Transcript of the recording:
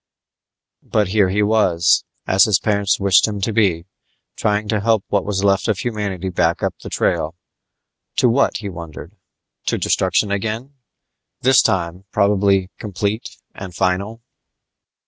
But here he was, as his parents had wished him to be, trying to help what was left of humanity back up the trail. To what, he wondered? To destruction again this time, probably complete and final?